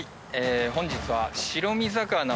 本日は。